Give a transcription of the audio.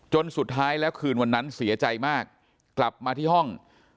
สุดท้ายแล้วคืนวันนั้นเสียใจมากกลับมาที่ห้อง